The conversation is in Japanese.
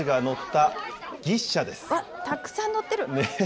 たくさん乗ってる。